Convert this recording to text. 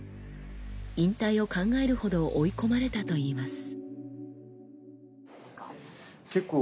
引退を考えるほど追い込まれたといいます。